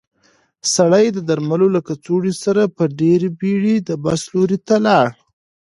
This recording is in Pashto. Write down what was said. سړی د درملو له کڅوړې سره په ډېرې بیړې د بس لور ته لاړ.